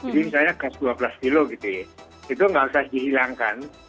misalnya gas dua belas kilo itu tidak usah dihilangkan